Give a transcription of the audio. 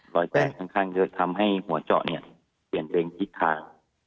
รอยแตกค่อนข้างเยอะทำให้หัวเจาะเปลี่ยนเร็งทิศทาง